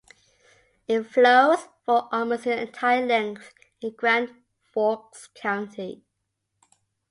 It flows for almost its entire length in Grand Forks County.